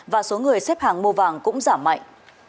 và số người xếp hàng mua vàng cũng giảm mạnh